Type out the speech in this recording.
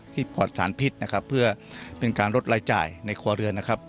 ปลอดสารพิษนะครับเพื่อเป็นการลดรายจ่ายในครัวเรือนนะครับ